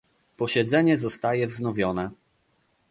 Posiedzenie zostaje wznowione